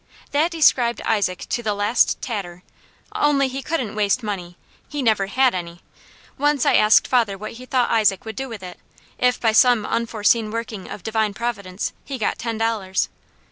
That described Isaac to the last tatter, only he couldn't waste money; he never had any. Once I asked father what he thought Isaac would do with it, if by some unforeseen working of Divine Providence, he got ten dollars.